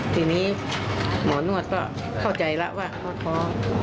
ทีนี้หมอนวดก็เข้าใจแล้วว่าเขาท้อ